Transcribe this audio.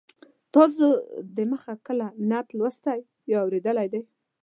تاسو د مخه کله نعت لوستلی یا اورېدلی دی.